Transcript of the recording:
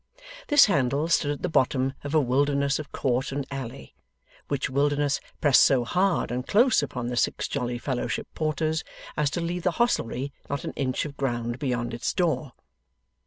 This handle stood at the bottom of a wilderness of court and alley: which wilderness pressed so hard and close upon the Six Jolly Fellowship Porters as to leave the hostelry not an inch of ground beyond its door.